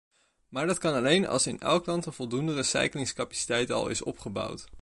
Maar dat kan alleen als in elk land een voldoende recyclingcapaciteit al is opgebouwd.